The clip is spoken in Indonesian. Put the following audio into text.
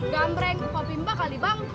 gampreng kok pimpah kali bang